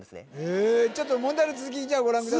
へえちょっと問題の続きじゃご覧ください